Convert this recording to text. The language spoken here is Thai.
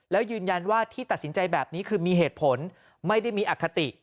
แล้วยืนยันว่าที่ตัดสินใจแบบนี้คือมีเหตุผลไม่ได้มีอคติ